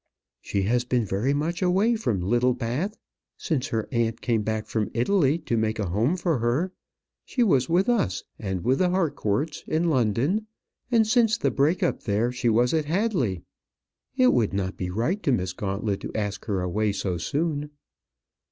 "She has been very much away from Littlebath since her aunt came back from Italy to make a home for her. She was with us; and with the Harcourts, in London; and, since the break up there, she was at Hadley. It would not be right to Miss Gauntlet to ask her away so soon."